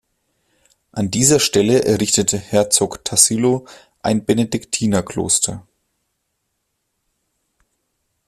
An dieser Stelle errichtete Herzog Tassilo ein Benediktinerkloster.